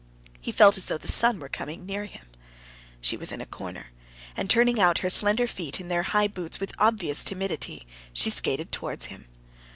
He felt as though the sun were coming near him. She was in a corner, and turning out her slender feet in their high boots with obvious timidity, she skated towards him.